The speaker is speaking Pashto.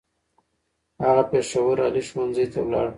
هغه پېښور عالي ښوونځی ته ولاړ.